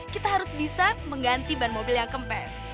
kita harus bisa mengganti ban mobil yang kempes